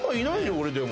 俺でも。